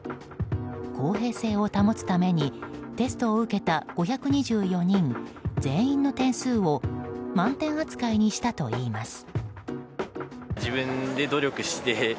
公平性を保つためにテストを受けた５２４人全員の点数を満点扱いにしたといいます。